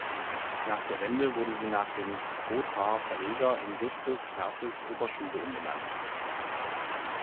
Nach der Wende wurde sie nach dem Gothaer Verleger in "Justus-Perthes-Oberschule" umbenannt.